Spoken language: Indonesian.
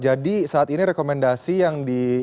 jadi saat ini rekomendasi yang diinginkan